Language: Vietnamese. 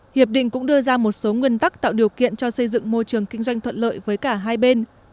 hiệp định cũng đưa ra một số nguyên tắc tạo điều kiện cho xây dựng môi trường kinh doanh thuận lợi với cả hai bên